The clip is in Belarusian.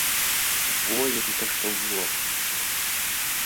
Во які каштоўны лорд!